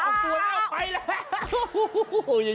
ตัวแล้วไปแล้ว